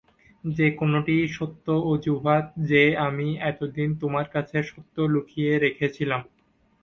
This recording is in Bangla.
যে কোনটিই সত্য অজুহাত যে আমি এতদিন তোমার কাছে সত্য লুকিয়ে রেখেছিলাম।